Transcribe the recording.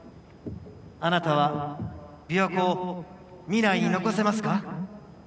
あなたはびわ湖を未来に残せますか。